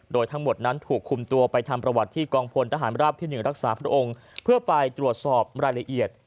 โดยทั้งหมดนั้นถูกคุมตัวไปทำประวัติที่กองพลทหารราบที่๑รักษาพระองค์เพื่อไปตรวจสอบรายละเอียด